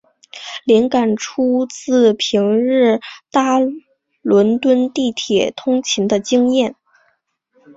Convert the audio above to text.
灵感出自平日搭伦敦地铁通勤的经验。